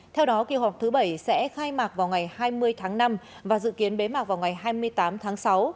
theo đó kỳ họp thứ bảy sẽ khai mạc vào ngày hai mươi tháng năm và dự kiến bế mạc vào ngày hai mươi tám tháng sáu